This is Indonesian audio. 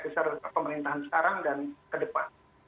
besar pemerintahan sekarang dan ke depan